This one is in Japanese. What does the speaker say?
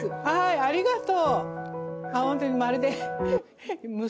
ありがとう。